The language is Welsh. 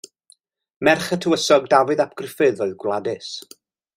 Merch y Tywysog Dafydd ap Gruffudd oedd Gwladys.